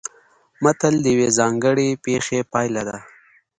متل د یوې ځانګړې پېښې پایله ده